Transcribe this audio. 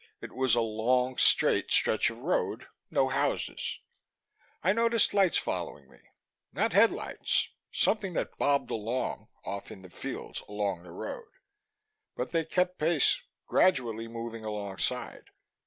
It was a long straight stretch of road, no houses. I noticed lights following me. Not headlights something that bobbed along, off in the fields along the road. But they kept pace, gradually moving alongside.